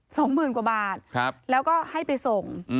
สองหมื่นกว่าบาทครับแล้วก็ให้ไปส่งอืม